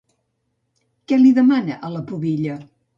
Què li demana, a la Pubilla?